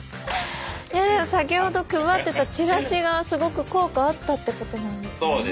先ほど配ってたチラシがすごく効果あったってことなんですね。